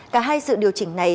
cả hai sự điều chỉnh này